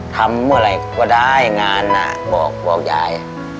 ทำอะไรกว่าได้งานอ่ะบอกบอกยาย